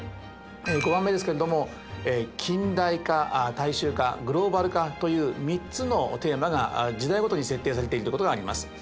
５番目ですけれども近代化大衆化グローバル化という３つのテーマが時代ごとに設定されているということがあります。